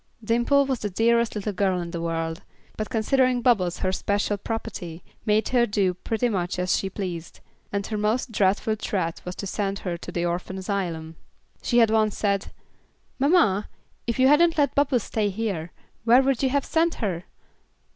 Dimple was the dearest little girl in the world, but considering Bubbles her special property, made her do pretty much as she pleased, and her most dreadful threat was to send her to the orphan asylum. She had once said, "Mamma, if you hadn't let Bubbles stay here, where would you have sent her?"